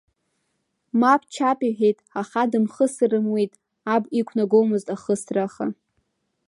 Мап-чап иҳәеит, аха дымхысыр рымуит, аб иқәнагомызт ахысра, аха…